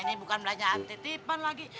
ini bukan belanja anti tipan lagi